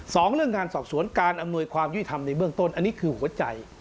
เรื่องงานสอบสวนการอำนวยความยุติธรรมในเบื้องต้นอันนี้คือหัวใจ